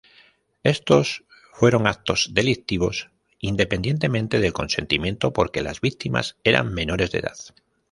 Estos fueron actos delictivos independientemente del consentimiento, porque las víctimas eran menores de edad.